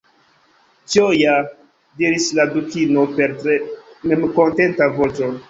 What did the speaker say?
"Tio ja," diris la Dukino per tre memkontenta voĉo."